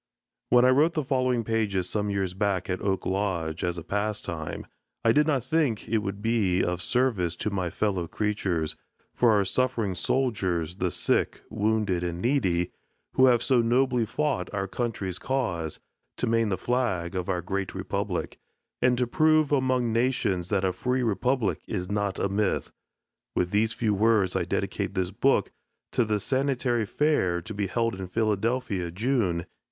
When I wrote the following pages, some years back at Oak Lodge, as a pastime, I did not think it would be of service to my fellow creatures, for our suffering soldiers, the sick, wounded, and needy, who have so nobly fought our country's cause, to maintain the flag of our great Republic, and to prove among Nations that a Free Republic is not a myth. With these few words I dedicate this book to the SANITARY FAIR to be held in Philadelphia, June, 1864.